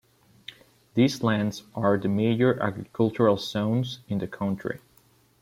These lands are the major agricultural zones in the country.